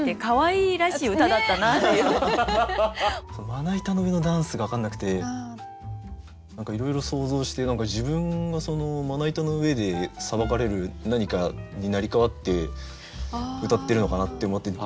「まな板の上のダンス」が分かんなくて何かいろいろ想像して何か自分がまな板の上でさばかれる何かに成り代わってうたってるのかなって思って。